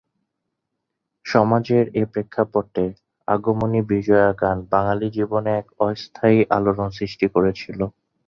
সমাজের এ প্রেক্ষাপটে আগমনী-বিজয়া গান বাঙালি জীবনে এক অস্থায়ী আলোড়ন সৃষ্টি করেছিল।